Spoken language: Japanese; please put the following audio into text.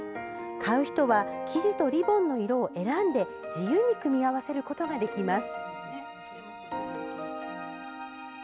買う人は生地とリボンの色を選んで自由に組み合わせることができます。